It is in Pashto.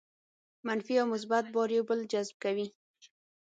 منفي او مثبت بار یو بل جذب کوي.